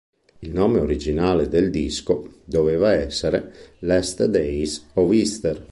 Il nome originale del disco doveva essere "Last Days of Easter".